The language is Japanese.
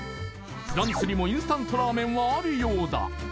フランスにもインスタントラーメンはあるようだ